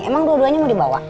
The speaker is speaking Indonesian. emang dua duanya mau dibawa